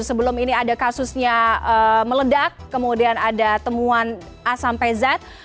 sebelum ini ada kasusnya meledak kemudian ada temuan asam pezat